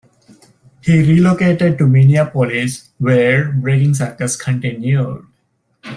He relocated to Minneapolis, where Breaking Circus continued.